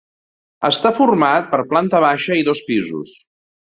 Està format per planta baixa i dos pisos.